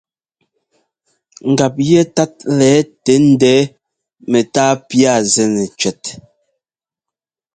Ngap yɛtát lɛ̌ tɛ ndɛ̌ɛ mɛ́tá pía zɛnɛ cʉɛt.